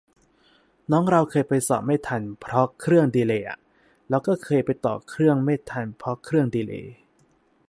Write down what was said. น้องเราเคยไปสอบไม่ทันเพราะเครื่องดีเลย์อะ เราก็เคยไปต่อเครื่องไม่ทันเพราะเครื่องดีเลย์